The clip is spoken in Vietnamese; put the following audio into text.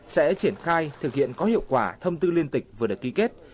sẽ triển khai thực hiện có hiệu quả thông tư liên tịch vừa được ký kết